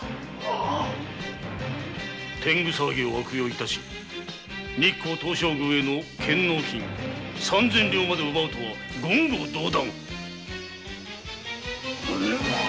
天狗騒ぎを悪用し日光東照宮への献納金三千両まで奪うとは言語道断！